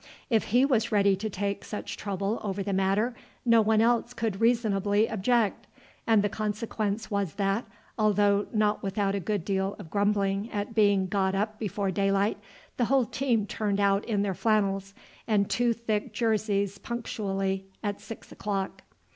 If he was ready to take such trouble over the matter no one else could reasonably object, and the consequence was that, although not without a good deal of grumbling at being got up before daylight, the whole team turned out in their flannels and two thick jerseys punctually at six o'clock.